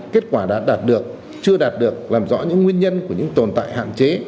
kết quả đã đạt được chưa đạt được làm rõ những nguyên nhân của những tồn tại hạn chế